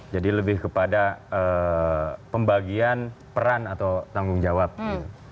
jadi lebih kepada pembagian peran atau tanggung jawab gitu